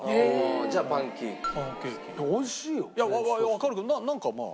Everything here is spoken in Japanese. わかるけどなんかまあ。